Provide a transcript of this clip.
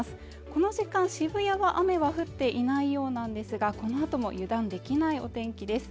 この時間、渋谷は雨は降っていないようなんですがこのあとも油断できないお天気です